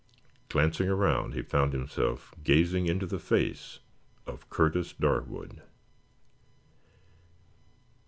Glancing around he found himself gazing into the face of Curtis Darwood.